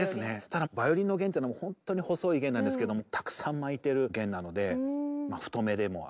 ただバイオリンの弦というのもほんとに細い弦なんですけどもたくさん巻いてる弦なので太めでもありますね。